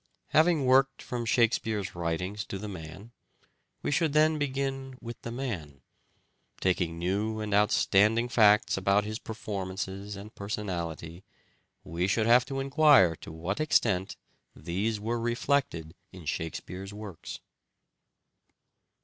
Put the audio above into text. Having worked from Shakespeare's writings to the man, we should then begin with the man ; taking new and outstanding facts about his performances and personality, we should have to enquire to what extent these were reflected in Shakespeare's works.